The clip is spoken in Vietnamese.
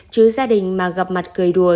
chứ gia đình mà gặp mặt cười đùa